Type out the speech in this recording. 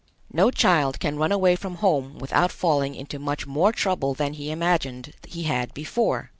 No child can run away from home without falling into much more trouble then he imagined he had before.